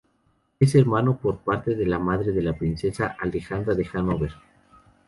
Es hermano por parte de madre de la princesa Alejandra de Hannover.